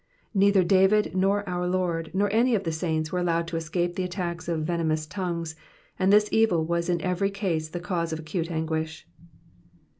Neither David, nor our Lord, nor any of the saints were allowed to escape the attacks of venomous tongues, and this evil was in every case the cause of acute anguish.